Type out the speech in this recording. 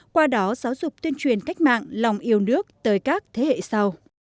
qua đó giáo dục tuyên truyền cách mạng lòng yêu nước tới các thế hệ sau